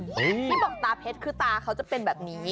ที่บอกตาเพชรคือตาเขาจะเป็นแบบนี้